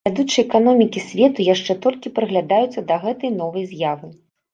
Вядучыя эканомікі свету яшчэ толькі прыглядаюцца да гэтай новай з'явы.